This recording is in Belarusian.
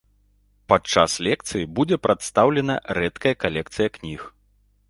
Падчас лекцыі будзе прадстаўлена рэдкая калекцыя кніг.